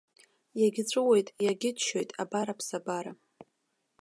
Иагьҵәыуоит, иагьыччоит, абар, аԥсабара.